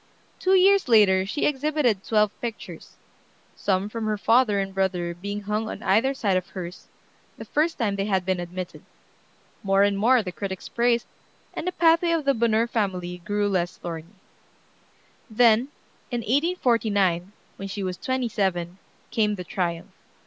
Two years later she exhibited twelve pictures, some from her father and brother being hung on either side of hers, the first time they had been admitted. More and more the critics praised, and the pathway of the Bonheur family grew less thorny. Then, in 1849, when she was twenty seven, came the triumph.